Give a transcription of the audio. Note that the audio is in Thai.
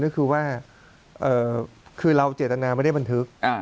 ก็คือว่าคือเราเจตนาไม่ได้บันทึก